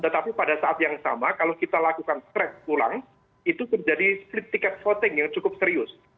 tetapi pada saat yang sama kalau kita lakukan stres ulang itu terjadi split ticket voting yang cukup serius